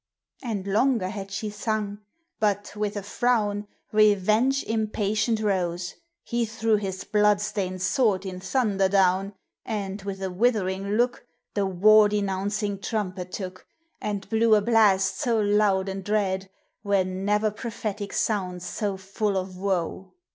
369 And longer had she sung — but, with a frown, Revenge impatient rose ; He threw his blood stained sword in thunder down ; And, with a withering look, The war denouncing trumpet took, And blew a blast so loud and dread, Were ne'er prophetic sounds so full of woe